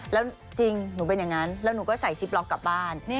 แล้วจริงหนูเป็นอย่างนั้นแล้วหนูก็ใส่ซิปล็อกกลับบ้าน